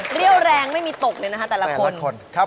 เรี่ยวแรงไม่มีตกเลยนะคะแต่ละคน